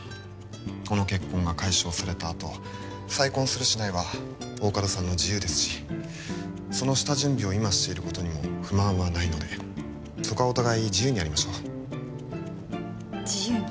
この結婚が解消されたあと再婚するしないは大加戸さんの自由ですしその下準備を今していることにも不満はないのでそこはお互い自由にやりましょう自由に？